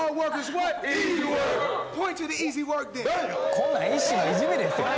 こんなん一種のいじめですよ。